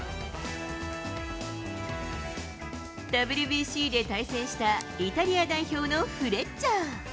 ＷＢＣで対戦したイタリア代表のフレッチャー。